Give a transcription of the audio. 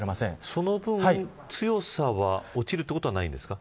その分強さは落ちるということはないんですか。